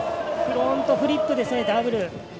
フロントフリップ、ダブル。